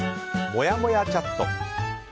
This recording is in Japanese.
もやもやチャット。